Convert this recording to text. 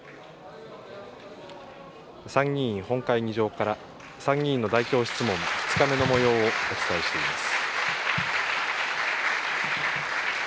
参議院本会議場から、参議院の代表質問２日目のもようをお伝えしています。